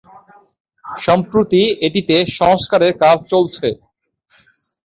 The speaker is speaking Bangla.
সম্প্রতি এটিতে সংস্কারের কাজ চলছে।